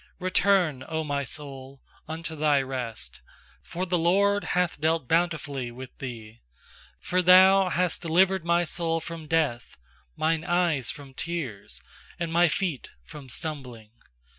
7Return, O my soul, unto thy rest; For the LORD hath dealt bountifully with thee. 8For Thou hast delivered my soul from death, Mine eyes from tears, And my feet from stumbling.